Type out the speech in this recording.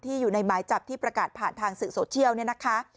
อยู่ในหมายจับที่ประกาศผ่านทางสื่อโซเชียลเนี่ยนะคะ